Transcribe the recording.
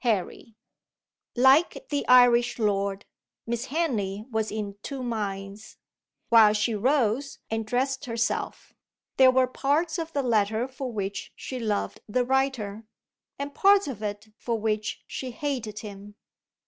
"HARRY." Like the Irish lord, Miss Henley was "in two minds," while she rose, and dressed herself. There were parts of the letter for which she loved the writer, and parts of it for which she hated him.